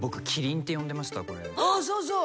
あっそうそう！